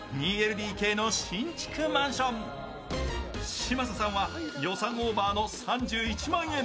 嶋佐さんは予算オーバーの３１万円。